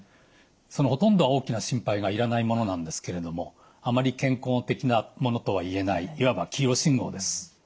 そのほとんどは大きな心配がいらないものなんですけれどもあまり健康的なものとは言えないいわば黄色信号です。